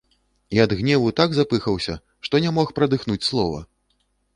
І ад гневу так запыхаўся, што не мог прадыхнуць слова.